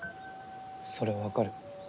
それ分かる。